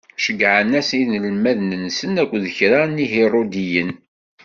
Ceggɛen-as inelmaden-nsen akked kra n Ihiṛudiyen.